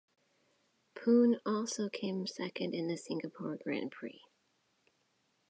Poon also came second in the Singapore Grand Prix.